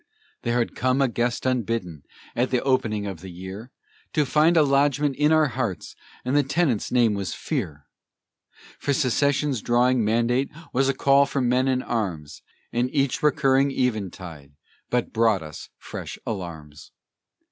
There had come a guest unbidden, at the opening of the year, To find a lodgment in our hearts, and the tenant's name was fear; For secession's drawing mandate was a call for men and arms, And each recurring eventide but brought us fresh alarms.